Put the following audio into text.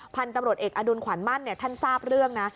พันธุ์ตำรวจเอกอดุลขวัญมั่นท่านทราบเรื่องนะ